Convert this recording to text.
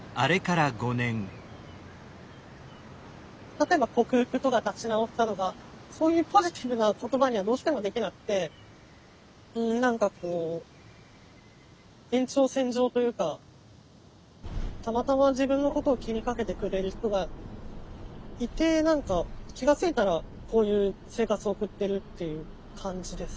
例えば克服とか立ち直ったとかそういうポジティブな言葉にはどうしてもできなくてうん何かこう延長線上というかたまたま自分のことを気にかけてくれる人がいて何か気が付いたらこういう生活を送ってるっていう感じです。